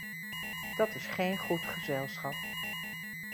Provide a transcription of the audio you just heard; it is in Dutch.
Dat is geen goed gezelschap.